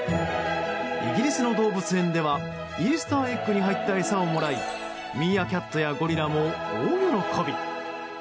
イギリスの動物園ではイースターエッグに入った餌をもらいミーアキャットやゴリラも大喜び。